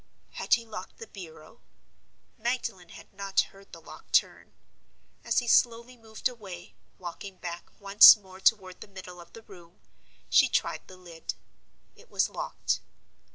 Had he locked the bureau? Magdalen had not heard the lock turn. As he slowly moved away, walking back once more toward the middle of the room, she tried the lid. It was locked.